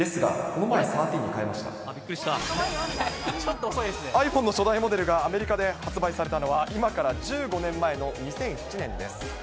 この前、ｉＰｈｏｎｅの初代モデルがアメリカで発売されたのは今から１５年前の２００７年です。